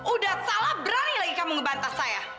udah salah berani lagi kamu ngebantah saya